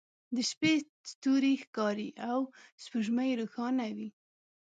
د شپې ستوری ښکاري او سپوږمۍ روښانه وي